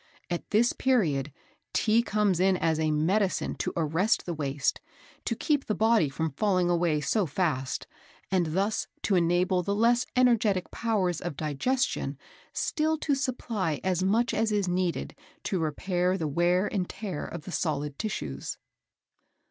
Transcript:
At this period tea comes in as a medicine to arrest the waste, to keep the body from falling away so fast, and thus to enable the less energetic powers of digestion still to supply as much as is needed to repair the wear and tear of the solid tissues."